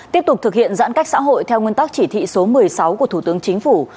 tiếp tục thực hiện giãn cách xã hội theo nguyên tắc chỉ thị số một mươi sáu của thủ tướng chính phủ